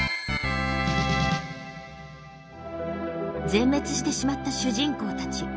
全滅してしまった主人公たち。